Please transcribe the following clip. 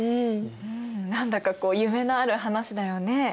何だかこう夢のある話だよね。